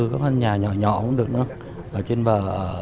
có căn nhà nhỏ nhỏ cũng được nữa ở trên bờ